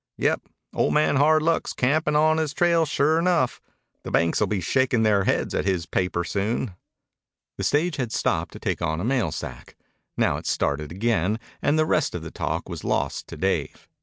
"Yep. Old Man Hard Luck's campin' on his trail sure enough. The banks'll be shakin' their heads at his paper soon." The stage had stopped to take on a mailsack. Now it started again, and the rest of the talk was lost to Dave.